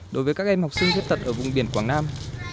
đối với các em học sinh thiết tật ở vùng biển quảng nam